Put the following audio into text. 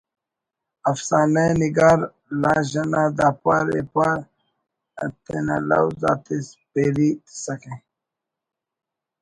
افسانہ نگار لاش انا داپار ایپار تینا لوز آتے پیری تسکہ